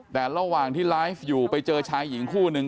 แต่ระหว่างที่ไลฟ์อยู่ไปเจอชายหญิงคู่หนึ่ง